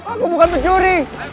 aku bukan pencuri